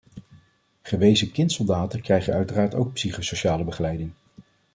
Gewezen kindsoldaten krijgen uiteraard ook psychosociale begeleiding.